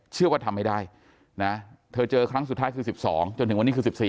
ทำไม่ได้นะเธอเจอครั้งสุดท้ายคือ๑๒จนถึงวันนี้คือ๑๔